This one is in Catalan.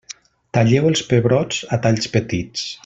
Talleu els pebrots a talls petits.